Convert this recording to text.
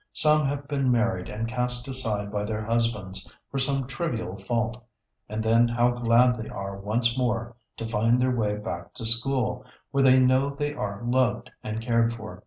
Some have been married and cast aside by their husbands for some trivial fault, and then how glad they are once more to find their way back to school, where they know they are loved and cared for.